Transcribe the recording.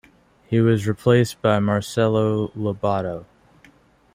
He was replaced by Marcelo Lobato.